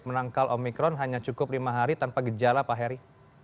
menangkal omikron hanya cukup lima hari tanpa gejala pak heri